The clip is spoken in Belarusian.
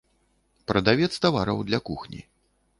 Прадавец тавараў для кухні.